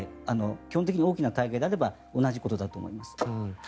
基本的に大きな大会であれば同じことだと思います。